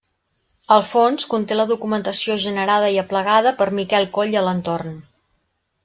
El fons conté la documentació generada i aplegada per Miquel Coll i Alentorn.